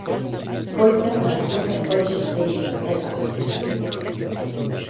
Coulter nació en College Station, Texas.